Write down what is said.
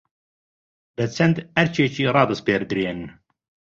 بە چەند ئەرکێکی رادەسپێردرێن